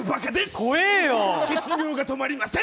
怖えよ血尿が止まりません！